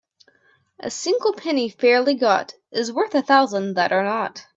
A single penny fairly got is worth a thousand that are not.